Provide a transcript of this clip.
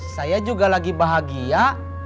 saya juga lagi bahagia